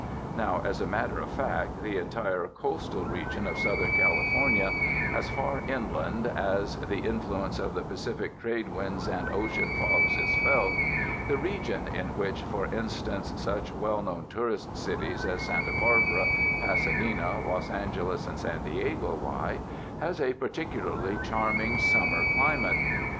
Now as a matter of fact, the entire coastal region of Southern California, as far inland as the influ 271 UNDER THE SKY IN CALIFORNIA euce of the Pacific trade winds and ocean fogs is felt — the region in which, for instance, such well known tourist cities as Santa Barbara, Pasadena, Los Angeles and San Diego lie — has a particularly charming summer climate.